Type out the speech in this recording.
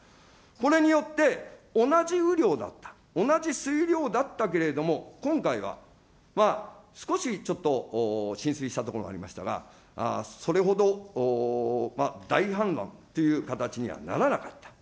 これによって同じ雨量だった、同じ水量だったけれども、今回は少しちょっと浸水した所がありましたが、それほど大氾濫という形にはならなかった。